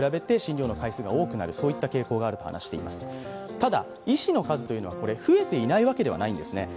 ただ、医師の数は増えていないわけではないんですね。